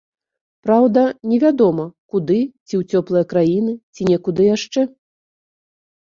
Праўда, не вядома, куды, ці ў цёплыя краіны, ці некуды яшчэ.